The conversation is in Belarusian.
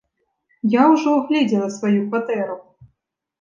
Я ўжо агледзела сваю кватэру.